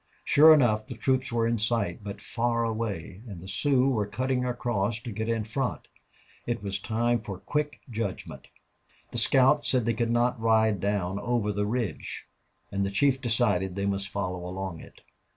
Sure enough the troops were in sight, but far away, and the Sioux were cutting across to get in front. It was a time for quick judgment. The scout said they could not ride down over the ridge, and the chief decided they must follow along it.